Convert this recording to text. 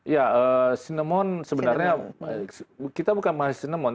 ya cinnamon sebenarnya kita bukan penghasil cinnamon